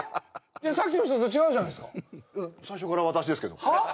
いやさっきの人と違うじゃないですか最初から私ですけどはっ？